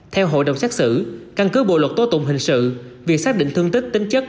theo hội đồng xét xử căn cứ bộ luật tố tụng hình sự việc xác định thương tích tính chất